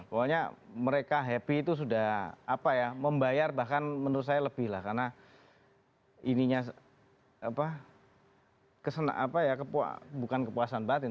pokoknya mereka happy itu sudah apa ya membayar bahkan menurut saya lebih lah karena ininya apa kesena apa ya bukan kepuasan batin